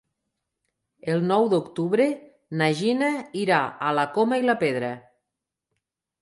El nou d'octubre na Gina irà a la Coma i la Pedra.